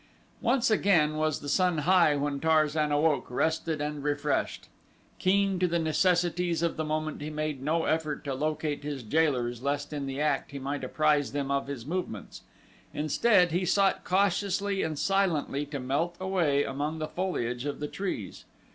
Once again was the sun high when Tarzan awoke, rested and refreshed. Keen to the necessities of the moment he made no effort to locate his jailers lest in the act he might apprise them of his movements. Instead he sought cautiously and silently to melt away among the foliage of the trees.